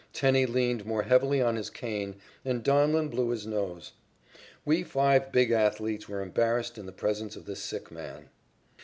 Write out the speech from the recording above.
Tenney leaned more heavily on his cane, and Donlin blew his nose. We five big athletes were embarrassed in the presence of this sick man.